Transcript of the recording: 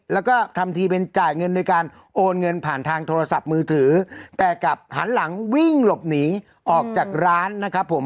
แล้วก็ทำทีเป็นจ่ายเงินโดยการโอนเงินผ่านทางโทรศัพท์มือถือแต่กลับหันหลังวิ่งหลบหนีออกจากร้านนะครับผม